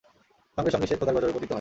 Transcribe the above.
সঙ্গে সঙ্গে সে খোদার গযবে পতিত হয়।